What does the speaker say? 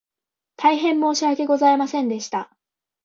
大変申し訳ございませんでした